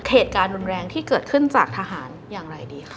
เหตุการณ์รุนแรงที่เกิดขึ้นจากทหารอย่างไรดีคะ